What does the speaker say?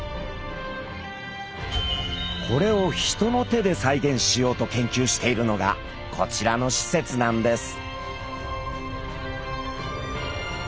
これを人の手で再現しようと研究しているのがこちらのしせつなんです。